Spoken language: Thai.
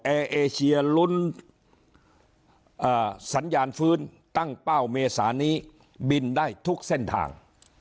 เอเชียลุ้นสัญญาณฟื้นตั้งเป้าเมษานี้บินได้ทุกเส้นทาง